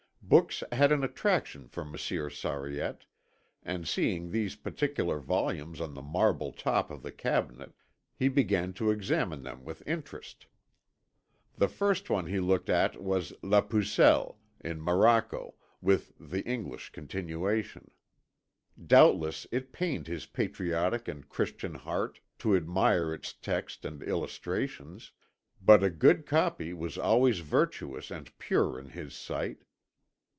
Books had an attraction for Monsieur Sariette, and seeing these particular volumes on the marble top of the cabinet, he began to examine them with interest. The first one he looked at was La Pucelle, in morocco, with the English continuation. Doubtless it pained his patriotic and Christian heart to admire its text and illustrations, but a good copy was always virtuous and pure in his sight.